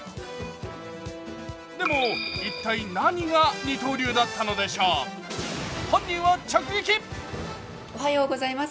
でも、一体何が二刀流だったのでしょう、本人を直撃。